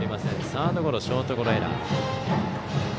サードゴロ、ショートライナー。